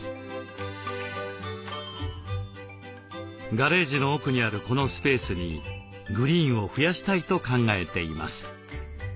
ガレージの奥にあるこのスペースにグリーンを増やしたいと考えています。